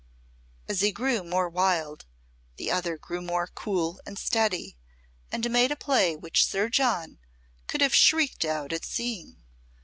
As he grew more wild the other grew more cool and steady, and made a play which Sir John could have shrieked out at seeing.